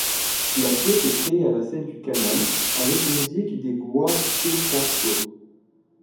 La pièce est créée à la Scène du Canal avec les musiques des Guappecarto.